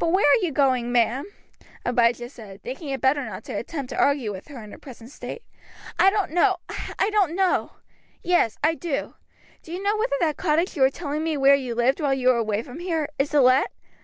"But where are you going, ma'am?" Abijah said, thinking it better not to attempt to argue with her in her present state. "I don't know, I don't know. Yes, I do. Do you know whether that cottage you were telling me about where you lived while you were away from here, is to let?